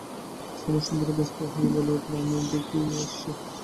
শ্যামাসুন্দরী ব্যস্ত হয়ে বলে উঠল, আমি দেখে আসছি।